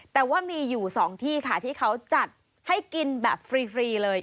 แต่ว่ามีอยู่๒ที่ค่ะที่เขาจัดให้กินแบบฟรีเลย